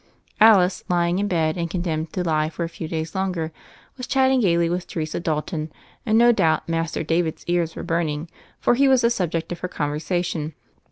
Alice, lying in bed and condemned so to lie for a few days longer, was chatting ;aily with Teresa Dalton; and, no doubt, aster David's ears were burning, for he was the subject of her conversation.